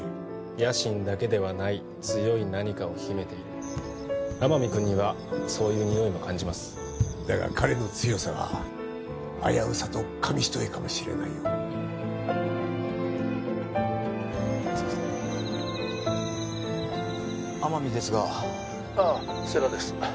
野心だけではない強い何かを秘めている天海君にはそういうにおいも感じますだが彼の強さは危うさと紙一重かもしれないよすいません天海ですが☎ああ世良です